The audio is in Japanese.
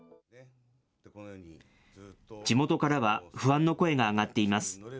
地元からは不安の声が上がっています。